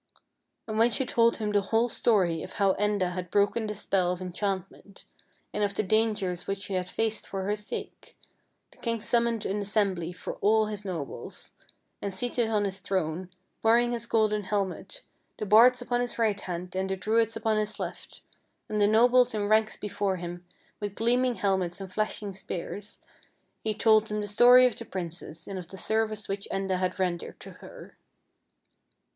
And when she told him the whole story of how Enda had broken the spell of enchantment, and of the dangers which he had faced for her sake, the king summoned an assembly of all his nobles, and seated on his throne, wearing his golden helmet, the bards upon his right hand and the Druids upon his left, and the nobles in ranks before him with gleam ing helmets and flashing spears, he told them 42 FAIRY TALES the story of the princess, and of the service which Enda had rendered to her.